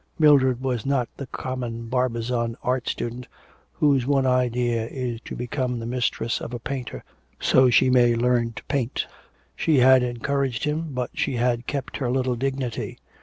Mildred was not the common Barbizon art student whose one idea is to become the mistress of a painter so that she may learn to paint. She had encouraged him, but she had kept her little dignity.